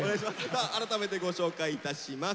さあ改めてご紹介いたします。